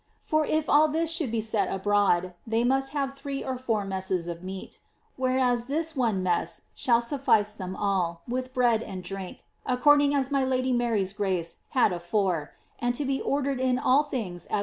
For if all this should be set abroad^ they must have three or four messes f j:io ac. — whereas this one mess shall suffice them all, with bread and drink, a "^ nlir.;; as my Lady Mary's grace had afore, and to be ordered in all things as